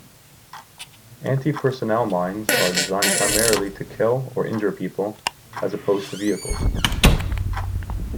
Anti-personnel mines are designed primarily to kill or injure people, as opposed to vehicles.